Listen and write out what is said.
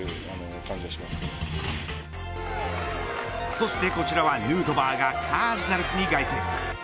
そしてこちらは、ヌートバーがカージナルスに凱旋。